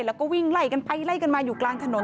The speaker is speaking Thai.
แล้วก็วิ่งไล่กันไปไล่กันมาอยู่กลางถนน